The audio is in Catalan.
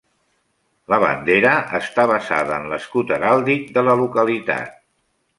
La bandera està basada en l'escut heràldic de la localitat.